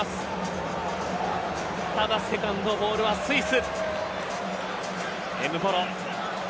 ただ、セカンドボールがスイス。